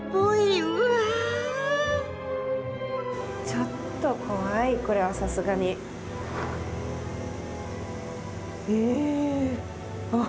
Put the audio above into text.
ちょっと怖いこれはさすがに。えあ！